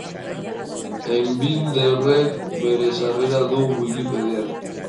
Einbinderrek bere sarrera du Wikipedian.